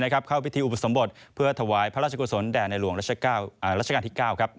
เข้าพิธีอุปสมบทเพื่อถวายพระราชกุศลแด่ในหลวงรัชกาลที่๙